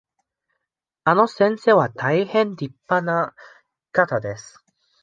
あの先生は大変りっぱな方です。